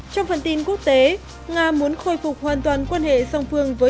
trong phần tin quốc tế nga muốn khôi phục hoàn toàn quan hệ song phương với